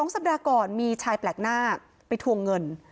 สัปดาห์ก่อนมีชายแปลกหน้าไปทวงเงิน